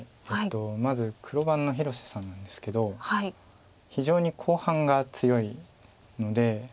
まず黒番の広瀬さんなんですけど非常に後半が強いので。